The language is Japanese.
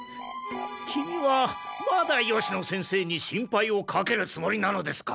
キミはまだ吉野先生に心配をかけるつもりなのですか！